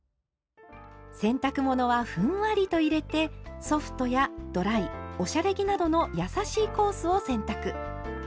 洗濯物はふんわりと入れて「ソフト」や「ドライ」「おしゃれ着」などのやさしいコースを選択。